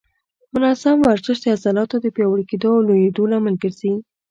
منظم ورزش د عضلاتو د پیاوړي کېدو او لویېدو لامل ګرځي.